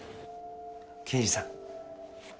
刑事さん。